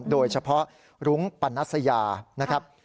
โดยเฉพาะรุ้งปันนัสยานะครับ